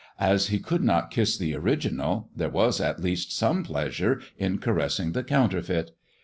As he could not kiss the original there was at least some pleasure in caressing the counterfeit.